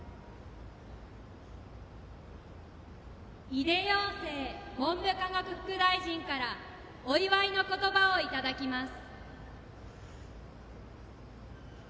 井出庸生文部科学副大臣からお祝いの言葉をいただきます。